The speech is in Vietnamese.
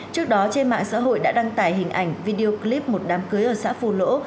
trước đó trên mạng xã hội đã đăng tải hình ảnh video clip một đám cưới ở xã phù lỗ